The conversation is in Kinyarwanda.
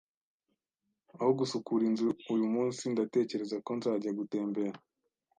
Aho gusukura inzu uyumunsi, ndatekereza ko nzajya gutembera